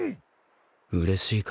うれしいか？